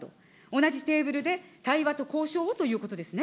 同じテーブルで対話と交渉をということですね。